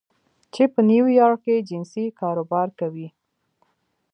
چې په نیویارک کې جنسي کاروبار کوي